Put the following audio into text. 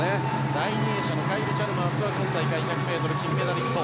第２泳者のカイル・チャルマースは今大会１００ｍ金メダリスト。